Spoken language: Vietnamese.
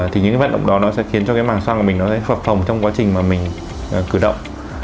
thì những cái vận động đó nó sẽ khiến cho cái màng xoang của mình nó sẽ phập phồng trong quá trình mà mình cử động